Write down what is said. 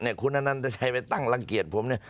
คุณอนันตชัยไปตั้งรังเกียจผมเนี่ย